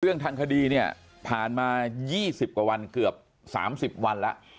ทางคดีเนี่ยผ่านมา๒๐กว่าวันเกือบ๓๐วันแล้ว